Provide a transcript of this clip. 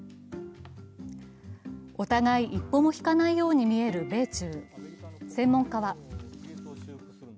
お互い一歩も引かないように見える米中。